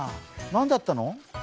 何だったの？